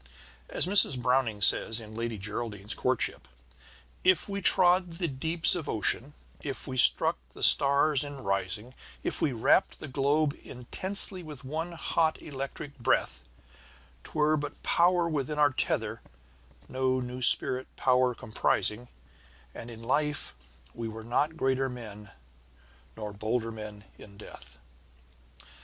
As Mrs. Browning says in Lady Geraldine's Courtship: If we trod the deeps of ocean, if we struck the stars in rising, If we wrapped the globe intensely with one hot electric breath, 'Twere but power within our tether, no new spirit power comprising, And in life we were not greater men, nor bolder men in death.